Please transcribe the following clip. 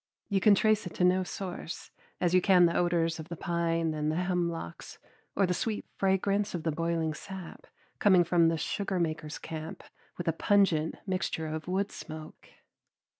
You can trace it to no source, as you can the odors of the pine and the hemlocks or the sweet fragrance of the boiling sap, coming from the sugar maker's camp with a pungent mixture of wood smoke.